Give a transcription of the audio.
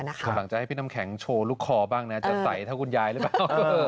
กำลังจะให้พี่น้ำแข็งโชว์ลูกคอบ้างนะจะใสเท่าคุณยายหรือเปล่า